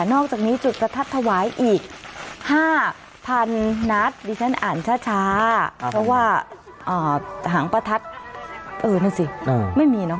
อกจากนี้จุดประทัดถวายอีก๕๐๐๐นัดดิฉันอ่านช้าเพราะว่าหางประทัดเออนั่นสิไม่มีเนอ